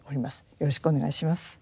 よろしくお願いします。